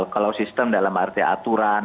kalau sistem dalam arti aturan